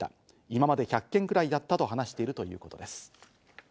今まで１００件くらいやったと話しているということです。